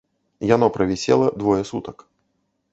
Яно правісела двое сутак.